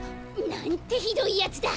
なんてひどいやつだ。